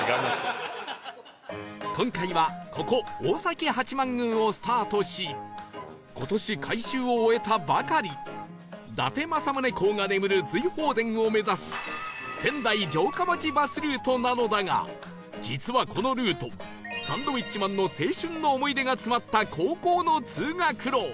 今回はここ大崎八幡宮をスタートし今年改修を終えたばかり伊達政宗公が眠る瑞鳳殿を目指す仙台城下町バスルートなのだが実はこのルートサンドウィッチマンの青春の思い出が詰まった高校の通学路